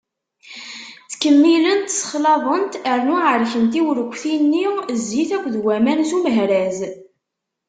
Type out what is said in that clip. Ttkemmilent, sexlaḍent, rnu εerkent i urekti-nni zzit akked waman s umehraz.